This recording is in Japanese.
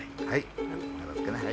はい。